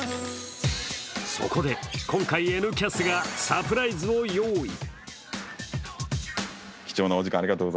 そこで、今回「Ｎキャス」がサプライズを用意。